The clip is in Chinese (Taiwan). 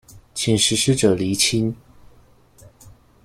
請實施者釐清